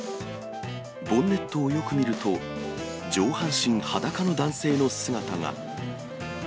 ボンネットをよく見ると、上半身裸の男性の姿が。